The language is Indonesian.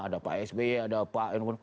ada pak sby ada pak irwan